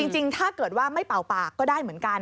จริงถ้าเกิดว่าไม่เป่าปากก็ได้เหมือนกัน